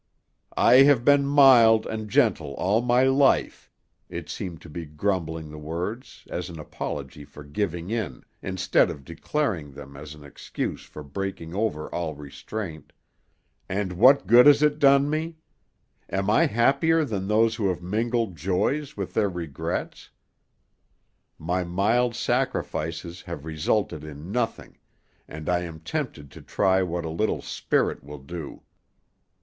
"I have been mild and gentle all my life" it seemed to be grumbling the words, as an apology for giving in, instead of declaring them as an excuse for breaking over all restraint "and what good has it done me? Am I happier than those who have mingled joys with their regrets? My mild sacrifices have resulted in nothing, and I am tempted to try what a little spirit will do."